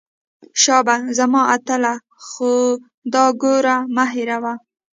شابه زما اتله خو دا ګوره مه هېروه.